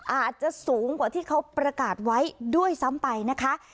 อาจจะสูงกว่าที่เขาประกาศไว้ด้วยซ้ำไปนะคะ